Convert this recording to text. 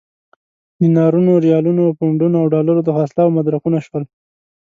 دینارونو، ریالونو، پونډونو او ډالرو د خرڅلاو مدرکونه شول.